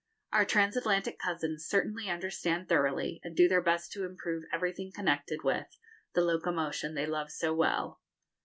Our Transatlantic cousins certainly understand thoroughly, and do their best to improve everything connected with, the locomotion they love so well.